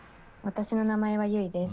私の名前は、ゆいです。